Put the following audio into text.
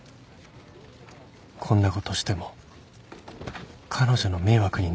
こんなことしても彼女の迷惑になるだけなのに